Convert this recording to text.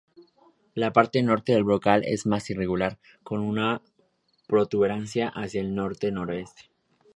La parte norte del brocal es más irregular, con una protuberancia hacia el norte-noroeste.